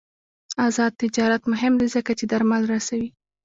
آزاد تجارت مهم دی ځکه چې درمل رسوي.